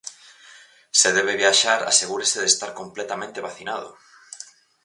Se debe viaxar, asegúrese de estar completamente vacinado.